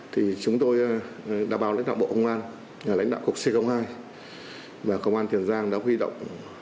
thì chúng tôi đã báo lãnh đạo bộ công an nhà lãnh đạo cục c hai và công an tiền giang đã huy động